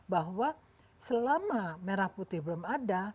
bahwa selama merah putih belum ada